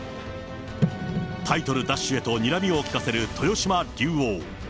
タイトル奪取へとにらみを利かせる豊島竜王。